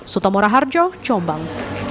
sotomora harjo combang